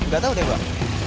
gak tau deh mbak